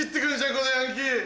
このヤンキー。